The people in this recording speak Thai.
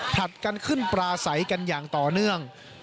ผลัดกันขึ้นปลาใสกันอย่างต่อเนื่อง